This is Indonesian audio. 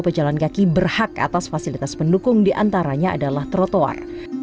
pejalan kaki berhak atas fasilitas pendukung diantaranya adalah trotoar